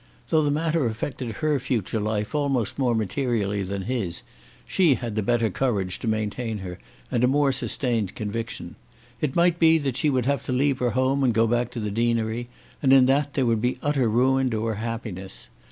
Though the matter affected her future life almost more materially than his, she had the better courage to maintain her, and a more sustained conviction. It might be that she would have to leave her home and go back to the deanery, and in that there would be utter ruin to her happiness.